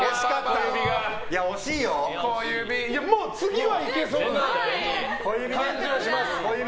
もう次はいけそうな感じはします。